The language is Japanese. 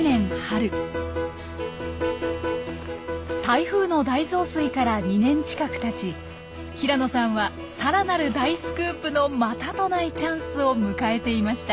台風の大増水から２年近くたち平野さんはさらなる大スクープのまたとないチャンスを迎えていました。